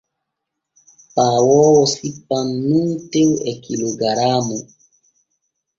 Paawoowo sippan nun tew e kilogaraamu.